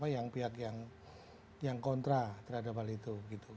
yang pihak yang kontra terhadap hal itu